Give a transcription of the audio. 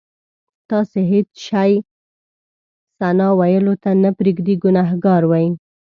تاسې هېڅ شی ثنا ویلو ته نه پرېږدئ ګناهګار وئ.